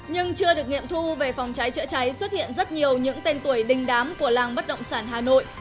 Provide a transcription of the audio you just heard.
nhưng chưa được nghiệm thu về phòng cháy chữa cháy xuất hiện rất nhiều những tên tuổi đình đám của làng bất động sản hà nội